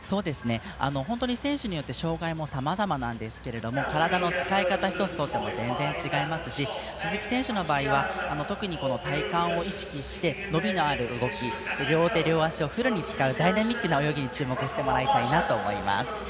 本当に選手によって障がいもさまざまなんですけど体の使い方ひとつとっても全然違いますし鈴木選手の場合は特に体幹を意識して伸びのある動き両手、両足をフルに使うダイナミックな泳ぎに注目してもらいたいと思います。